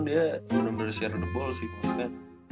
dia bener bener shareable sih maksudnya